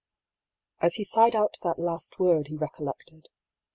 " As he sighed out that last word he recollected.